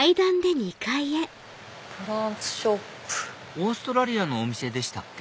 オーストラリアのお店でしたっけ